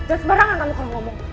eh udah sebarangan kamu kurang ngomong